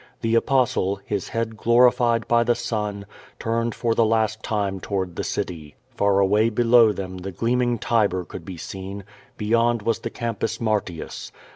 The Apostle, his head glorified by the sun, turned for the last time toward the city. Far away below them the gleaming Tiber could be seen; beyond was the Campus Martins.